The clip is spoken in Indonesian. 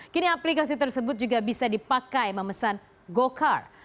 kini aplikasi tersebut juga bisa dipakai memesan gocar